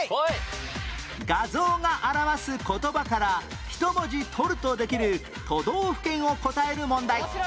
画像が表す言葉から１文字取るとできる都道府県を答える問題